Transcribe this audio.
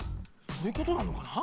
そういうことなのかな？